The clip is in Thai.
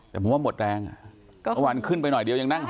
เมื่อวานขึ้นไปหน่อยเดียวยังนั่งหอ